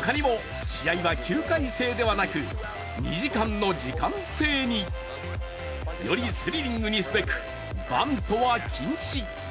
他にも試合は９回制ではなく２時間の時間制に、よりスリリングにすべく、バントは禁止。